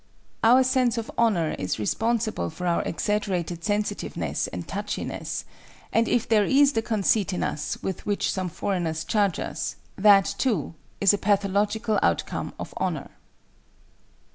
Our sense of honor is responsible for our exaggerated sensitiveness and touchiness; and if there is the conceit in us with which some foreigners charge us, that, too, is a pathological outcome of honor.